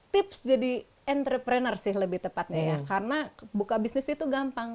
tips jadi entrepreneur sih lebih tepatnya ya karena buka bisnis itu gampang